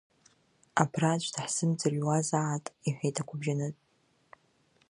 Абра аӡә даҳзымӡырҩуазаат, — иҳәеит агәыбжьанытә.